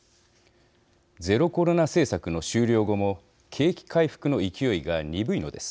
ゼロコロナ政策の終了後も景気回復の勢いが鈍いのです。